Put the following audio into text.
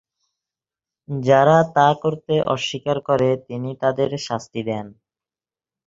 যারা তা করতে অস্বীকার করে, তিনি তাদের শাস্তি দেন।